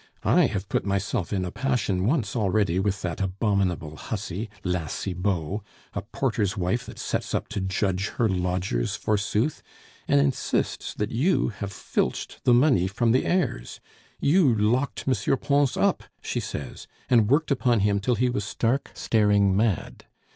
I have put myself in a passion once already with that abominable hussy, La Cibot, a porter's wife that sets up to judge her lodgers, forsooth, and insists that you have filched the money from the heirs; you locked M. Pons up, she says, and worked upon him till he was stark, staring mad.